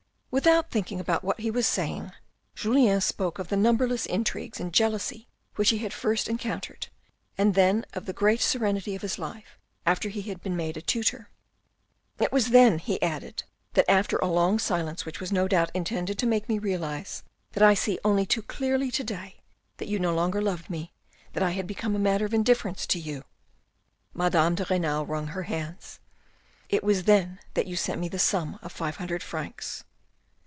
Without thinking about what he was saying Julien spoke ol the numberless intrigues and jealousies which he had first en countered, and then of the great serenity of his life after h« had been made a tutor. " It was then," he added, " that after a long silence which was no doubt intended to make me realise what I see only too clearly to day, that you no longer loved me and that I had become a matter of indifference to you. ..." Madame de Renal wrung her hands. " It was then that you sent me the sum of five hundred francs."